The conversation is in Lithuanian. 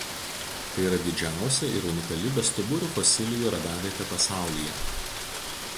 Tai yra didžiausia ir unikali bestuburių fosilijų radavietė pasaulyje.